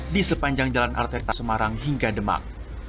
di sepanjang jalan arterita semarang hingga demak